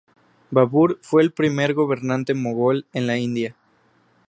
Babur fue el primer gobernante mogol en la India.